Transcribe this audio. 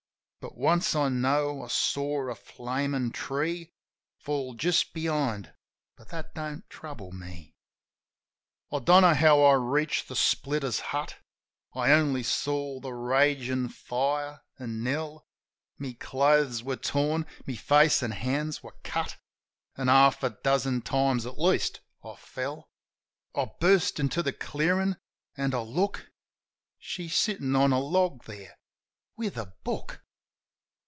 But once, I know, I saw a flamin' tree Fall just behind; but that don't trouble me. 86 JIM OF THE HILLS I don't know how I reached the splitter's hut, I only saw the ragin' fire — an' Nell. My clothes were torn, my face an' hands were cut, An' half a dozen times, at least, I fell. I burst into the clearin' ... an' I look. ... She's sittin' on a log there ^with a book!